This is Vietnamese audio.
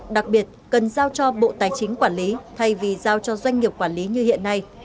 đặc biệt cần giao cho bộ tài chính quản lý thay vì giao cho doanh nghiệp quản lý như hiện nay